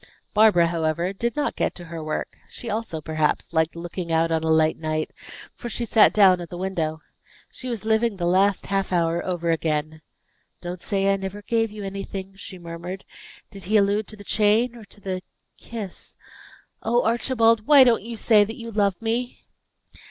Barbara, however, did not get to her work; she also, perhaps, liked "looking out on a light night," for she sat down at the window. She was living the last half hour over again. "'Don't say I never gave you anything,'" she murmured; "did he allude to the chain or to the kiss? Oh, Archibald, why don't you say that you love me?"